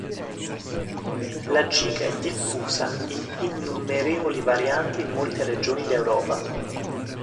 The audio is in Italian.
La giga è diffusa in innumerevoli varianti in molte regioni d'Europa.